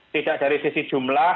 tidak dari sisi jumlah